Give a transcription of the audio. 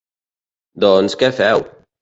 ¿Doncs, què feu?